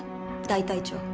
大隊長。